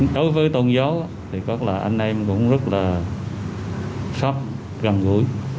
đối với tôn giáo thì có lẽ anh em cũng rất là sắp gần gũi